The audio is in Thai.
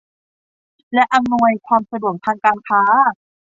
และการอำนวยความสะดวกทางการค้า